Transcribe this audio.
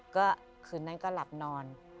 ก็คืนนั้นก็หลับนอน